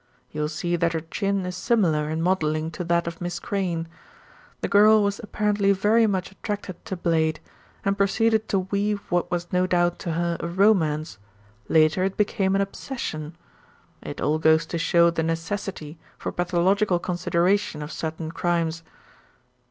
You will see that her chin is similar in modelling to that of Miss Crayne. The girl was apparently very much attracted to Blade, and proceeded to weave what was no doubt to her a romance, later it became an obsession. It all goes to show the necessity for pathological consideration of certain crimes."